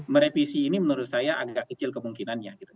merevisi ini menurut saya agak kecil kemungkinannya gitu